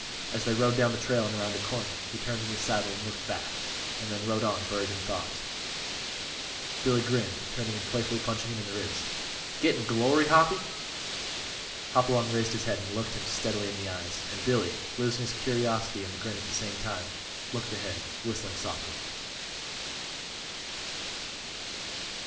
As they rode down the trail and around a corner he turned in his saddle and looked back; and then rode on, buried in thought. Billy, grinning, turned and playfully punched him in the ribs. "Gettin' glory, Hoppy?" Hopalong raised his head and looked him steadily in the eyes; and Billy, losing his curiosity and the grin at the same instant, looked ahead, whistling softly.